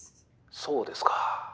そうですか。